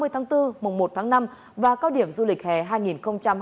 tháng bốn mùng một tháng năm và cao điểm du lịch hè hai nghìn hai mươi ba